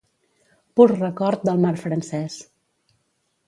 Pur record del mar francès.